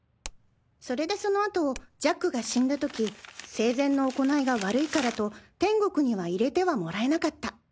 それでその後ジャックが死んだとき生前の行いが悪いからと天国には入れてはもらえなかった。